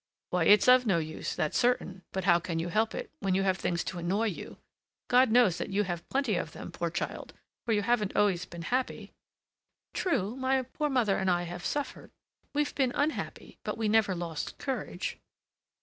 "Why, it's of no use, that's certain; but how can you help it, when you have things to annoy you? God knows that you have plenty of them, poor child; for you haven't always been happy!" "True, my poor mother and I have suffered. We have been unhappy, but we never lost courage."